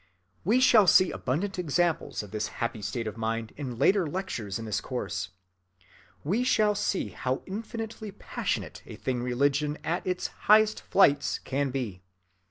We shall see abundant examples of this happy state of mind in later lectures of this course. We shall see how infinitely passionate a thing religion at its highest flights can be.